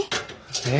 え？